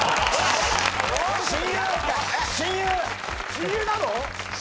親友なの？